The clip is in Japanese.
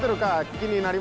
気になる。